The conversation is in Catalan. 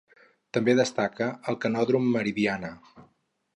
També destaca el Canòdrom Meridiana.